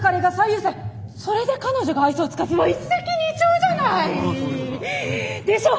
それで彼女が愛想を尽かせば一石二鳥じゃない！でしょう？